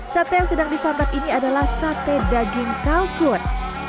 sate yang sedang disantap ini adalah sate daging kalkun